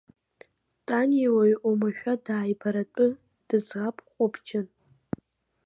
Таниа уаҩы омашәа дааибаратәа дыӡӷаб ҟәыбҷан.